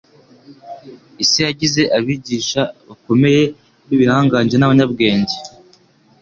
Isi yagize abigisha bakomeye b'ibihangage n'abanyabwenge